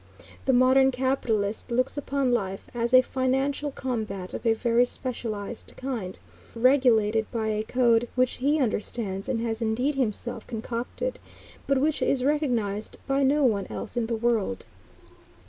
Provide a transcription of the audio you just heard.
The modern capitalist looks upon life as a financial combat of a very specialized kind, regulated by a code which he understands and has indeed himself concocted, but which is recognized by no one else in the world.